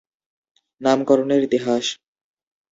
নামকরণের ইতিহাস।